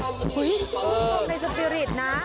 โหะในสปิริทนะ